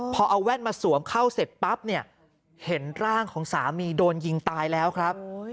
พอเอาแว่นมาสวมเข้าเสร็จปั๊บเนี่ยเห็นร่างของสามีโดนยิงตายแล้วครับ